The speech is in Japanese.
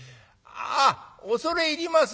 あっ恐れ入ります。